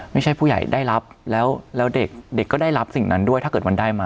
ผู้ใหญ่ได้รับแล้วเด็กก็ได้รับสิ่งนั้นด้วยถ้าเกิดมันได้มา